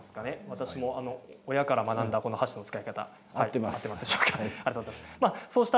私も親から学んだ箸の使い方合っているでしょうか。